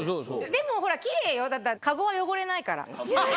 でもほらキレイよだってかごは汚れないから。